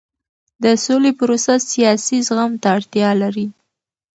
د سولې پروسه سیاسي زغم ته اړتیا لري